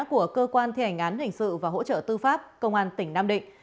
của cơ quan thi hành án hình sự và hỗ trợ tư pháp công an tỉnh nam định